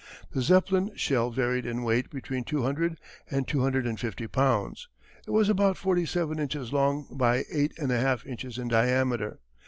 The Zeppelin shell varied in weight between two hundred and two hundred and fifty pounds. It was about forty seven inches long by eight and a half inches in diameter.